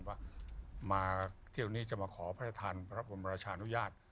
ว่าเที่ยวนี้จะมาขอพระท่านรับกรรมราชานุญาต